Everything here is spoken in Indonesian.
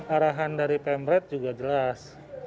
arahan dari pemret juga jelas